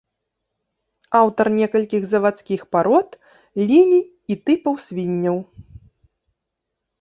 Аўтар некалькіх завадскіх парод, ліній і тыпаў свінняў.